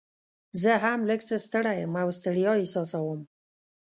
زه هم لږ څه ستړی یم او ستړیا احساسوم.